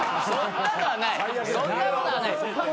そんなのはない。